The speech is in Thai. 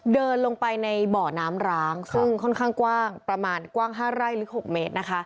เดินลงไปในบ่อน้ำร้างซึ่งค่อนข้างกว้างประมาณกว้าง๕ไร่ลึก๖เมตรนะคะ